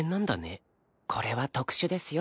これは特殊ですよ。